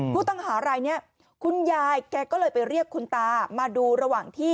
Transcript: ผู้ต้องหารายนี้คุณยายแกก็เลยไปเรียกคุณตามาดูระหว่างที่